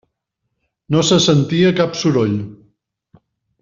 No se sentia cap soroll.